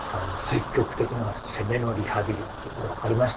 積極的な攻めのリハビリよく分かりました。